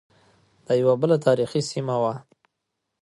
دا یوه بله تاریخی سیمه وه.